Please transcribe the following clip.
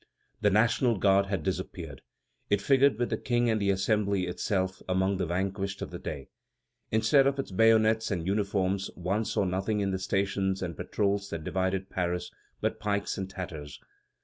The National Guard had disappeared; it figured with the King and the Assembly itself, among the vanquished of the day. Instead of its bayonets and uniforms one saw nothing in the stations and patrols that divided Paris but pikes and tatters.